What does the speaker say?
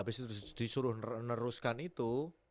habis itu disuruh meneruskan itu